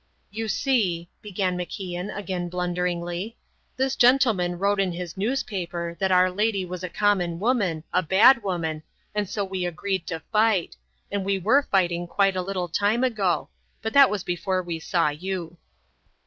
"You see," began MacIan, again blunderingly, "this gentleman wrote in his newspaper that Our Lady was a common woman, a bad woman, and so we agreed to fight; and we were fighting quite a little time ago but that was before we saw you."